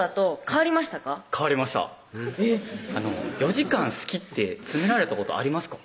変わりました４時間「好き」って詰められたことありますか？